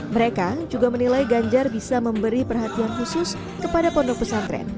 mereka juga menilai ganjar bisa memberi perhatian khusus kepada pondok pesantren